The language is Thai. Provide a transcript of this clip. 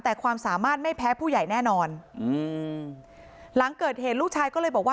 แต่ความสามารถไม่แพ้ผู้ใหญ่แน่นอนอืมหลังเกิดเหตุลูกชายก็เลยบอกว่า